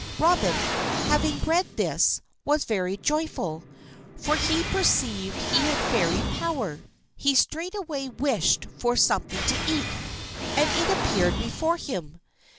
_" Robin, having read this, was very joyful, for he perceived that he had Fairy power. He straightway wished for something to eat, and it appeared before him.